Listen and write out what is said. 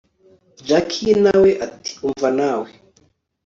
jack nawe ati umva yewe